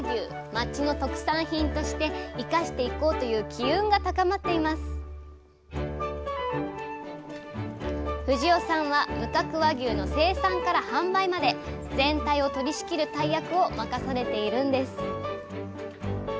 町の特産品として生かしていこうという機運が高まっています藤尾さんは無角和牛の生産から販売まで全体を取りしきる大役を任されているんです